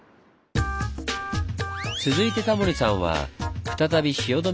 続いてタモリさんは再び汐留エリアへ。